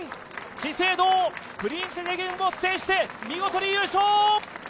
資生堂、「プリンセス駅伝」を制して見事に優勝！